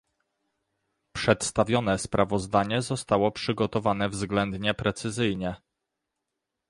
Przedstawione sprawozdanie zostało przygotowane względnie precyzyjnie